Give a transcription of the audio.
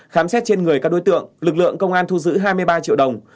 khám xét trên người các đối tượng lực lượng công an thu giữ hai mươi ba triệu đồng